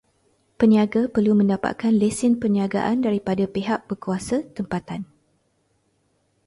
Peniaga perlu mendapatkan lesen peniagaan daripada pihak berkuasa tempatan.